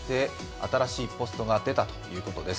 新しいポストが出たということです。